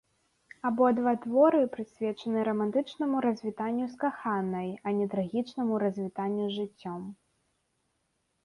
Абодва творы прысвечаны рамантычнаму развітанню з каханай, а не трагічнаму развітанню з жыццём.